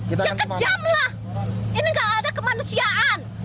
yang kejamlah ini nggak ada kemanusiaan